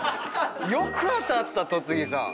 よく当たった戸次さん。